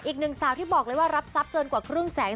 อีกหนึ่งสาวที่บอกเลยว่ารับทรัพย์เกินกว่าครึ่งแสน